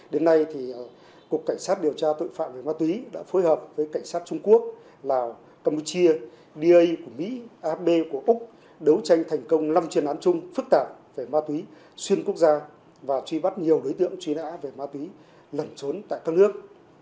đến nay cục cảnh sát điều tra tội phạm về ma túy đã phối hợp với cảnh sát trung quốc lào campuchia của mỹ ab của úc đấu tranh thành công năm chuyên án chung phức tạp về ma túy xuyên quốc gia và truy bắt nhiều đối tượng truy nã về ma túy lẩn trốn tại các nước